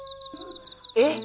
えっ！